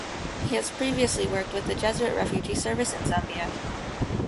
He has previously worked with the Jesuit Refugee Service in Zambia.